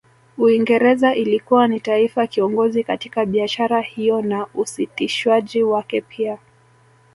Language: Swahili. Uingereza ilikuwa ni taifa kiongozi katika biashara hiyo na usitishwaji wake pia